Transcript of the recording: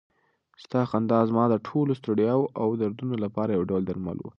ستا خندا زما د ټولو ستړیاوو او دردونو لپاره یو درمل و.